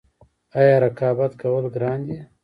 آیا رقابت کول ګران دي؟